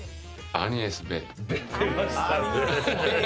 アニエスベー！